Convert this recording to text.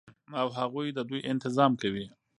او هغوى ددوى انتظام كوي